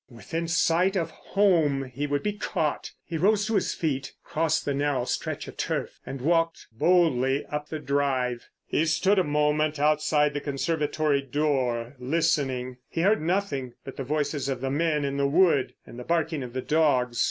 Within sight of home he would be caught. He rose to his feet, crossed the narrow stretch of turf and walked boldly up the drive. He stood a moment outside the conservatory door, listening. He heard nothing but the voices of the men in the wood and the barking of the dogs.